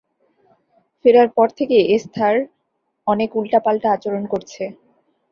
ফেরার পর থেকেই এস্থার অনেক উল্টোপাল্টা আচরণ করছে।